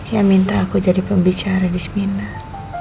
ya minta aku jadi pembicara di seminar